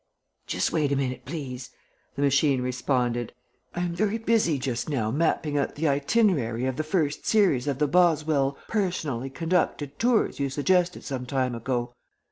"Just wait a minute, please," the machine responded. "I am very busy just now mapping out the itinerary of the first series of the Boswell Personally Conducted Tours you suggested some time ago.